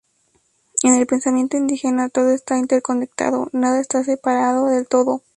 En el pensamiento indígena, todo está interconectado, nada está separado del todo.